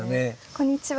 こんにちは。